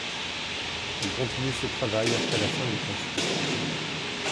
Elle continue ce travail après la fin du conflit.